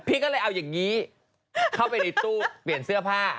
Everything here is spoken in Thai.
พี่ก็เลยเอาอย่างนี้เข้าไปในตู้เปลี่ยนเสื้อผ้า